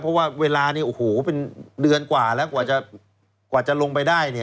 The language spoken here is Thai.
เพราะว่าเวลานี้โอ้โหเป็นเดือนกว่าแล้วกว่าจะลงไปได้